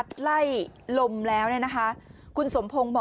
พี่ทำยังไงฮะ